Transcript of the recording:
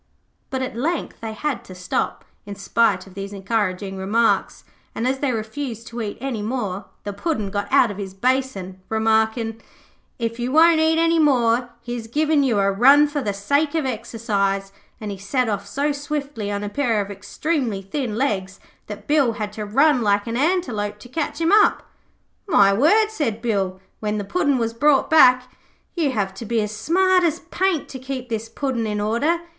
But at length they had to stop, in spite of these encouraging remarks, and, as they refused to eat any more, the Puddin' got out of his basin, remarking 'If you won't eat any more here's giving you a run for the sake of exercise', and he set off so swiftly on a pair of extremely thin legs that Bill had to run like an antelope to catch him up. 'My word,' said Bill, when the Puddin' was brought back. 'You have to be as smart as paint to keep this Puddin' in order.